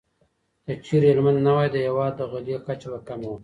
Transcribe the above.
که چيرې هلمند نه وای، د هېواد د غلې کچه به کمه وه.